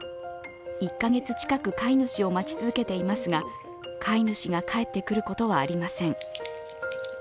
１カ月近く飼い主を待ち続けていますが飼い主が帰ってくることはありません。